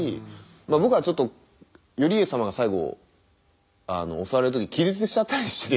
僕はちょっと頼家様が最後襲われる時に気絶しちゃったりして。